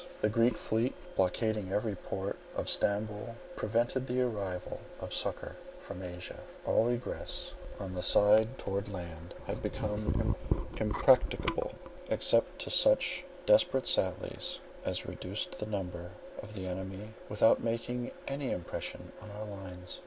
The Greek fleet blockading every port of Stamboul, prevented the arrival of succour from Asia; all egress on the side towards land had become impracticable, except to such desperate sallies, as reduced the numbers of the enemy without making any impression on our lines.